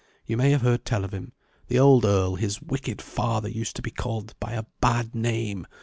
You may have heard tell of him. The old Earl, his wicked father, used to be called by a bad name.